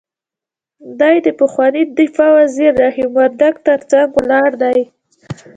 دی د پخواني دفاع وزیر رحیم وردګ تر څنګ ولاړ دی.